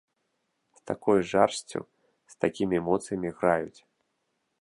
З такой жарсцю, з такімі эмоцыямі граюць.